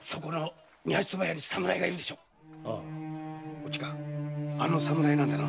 おちかあの侍なんだな？